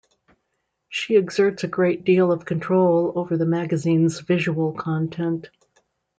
She exerts a great deal of control over the magazine's visual content.